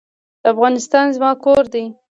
افغانستان زما کور دی